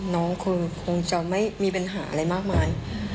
น้องคงจะไม่มีปัญหาอะไรมากมาย